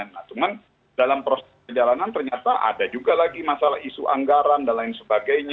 nah cuman dalam proses perjalanan ternyata ada juga lagi masalah isu anggaran dan lain sebagainya